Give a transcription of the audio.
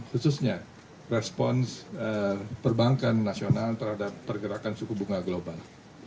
khususnya respons perbankan nasional terhadap pergerakan suku bunga global